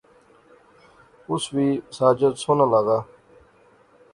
اس وی ساجد سوہنا لاغا